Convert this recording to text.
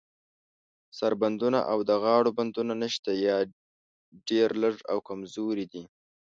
سر بندونه او د غاړو بندونه نشته، یا ډیر لږ او کمزوري دي.